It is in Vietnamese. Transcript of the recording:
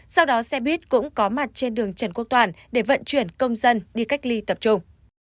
sau đó xe buýt cũng có mặt trên đường trần quốc toàn để vận chuyển công dân đi cách ly tập trung